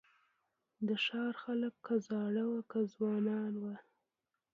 د ښار خلک که زاړه وه که ځوانان وه